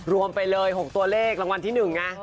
รวมไปเลย๖ตัวเลขรางวัลที่๑ไง